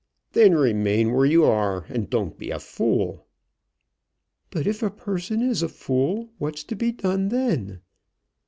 "Then remain where you are, and don't be a fool." "But if a person is a fool, what's to be done then?